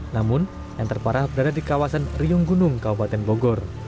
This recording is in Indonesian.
namun yang terparah berada di kawasan riung gunung kabupaten bogor